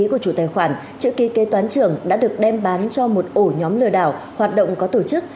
chữ ký của trụ tài khoản chữ ký kê toán trưởng đã được đem bán cho một ổ nhóm lừa đảo hoạt động có tổ chức